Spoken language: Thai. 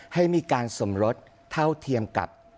ให้มีการสมรสเท่าเทียมกับ